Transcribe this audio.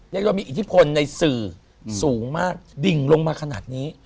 เรียกว่ามีอิทธิพลในสื่อสูงมากดิ่งลงมาขนาดนี้